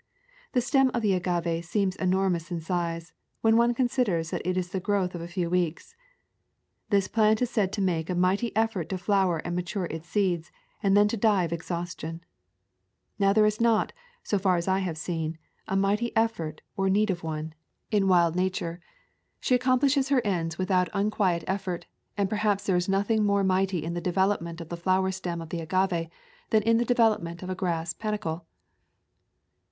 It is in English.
The stem of the agave seems enormous in size when one considers that it is the growth of a few weeks. This plant is said to make a mighty effort to flower and mature its seeds and then to die of exhaustion. Now there is not, so far as I have seen, a mighty effort or the need of one, [ 165 ] A Thousand Mile Walk in wild Nature. She accomplishes her ends with out unquiet effort, and perhaps there is nothing more mighty in the development of the flower stem of the agave than in the development of a grass panicle.